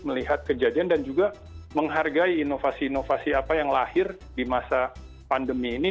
melihat kejadian dan juga menghargai inovasi inovasi apa yang lahir di masa pandemi ini